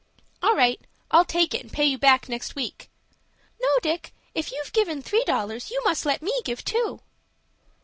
"All right. I'll take it, and pay you back next week." "No, Dick; if you've given three dollars, you must let me give two."